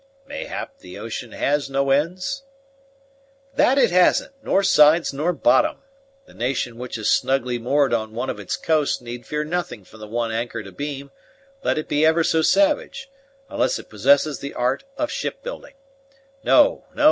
"Mayhap the ocean has no ends?" "That it hasn't; nor sides, nor bottom. The nation which is snugly moored on one of its coasts need fear nothing from the one anchored abeam, let it be ever so savage, unless it possesses the art of ship building. No, no!